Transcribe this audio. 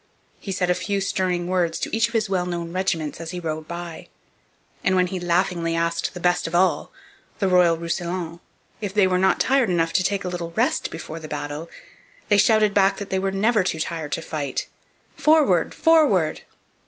He said a few stirring words to each of his well known regiments as he rode by; and when he laughingly asked the best of all, the Royal Roussillon, if they were not tired enough to take a little rest before the battle, they shouted back that they were never too tired to fight 'Forward, forward!'